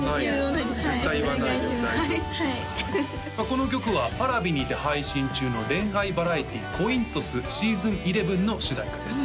この曲はＰａｒａｖｉにて配信中の恋愛バラエティー「恋んトスｓｅａｓｏｎ１１」の主題歌です